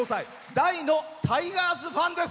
大のタイガースファンです。